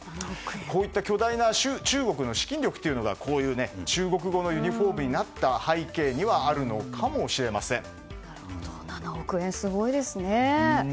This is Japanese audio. こういった巨大な中国の資金力がこういう中国語のユニホームになった背景には７億円、すごいですね。